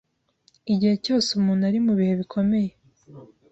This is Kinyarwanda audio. Igihe cyose umuntu ari mu bihe bikomeye